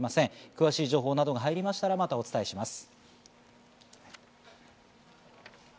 詳しい情報などが入りましたらまたお伝えします。